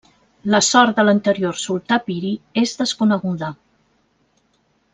La sort de l'anterior sultà Piri és desconeguda.